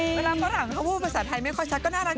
ฝรั่งเขาพูดภาษาไทยไม่ค่อยชัดก็น่ารัก